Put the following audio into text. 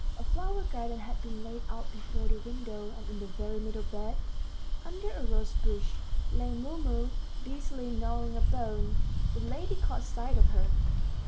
A flower garden had been laid out before the window, and in the very middle bed, under a rosebush, lay Mumu busily gnawing a bone. The lady caught sight of her.